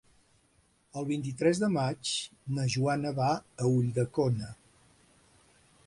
El vint-i-tres de maig na Joana va a Ulldecona.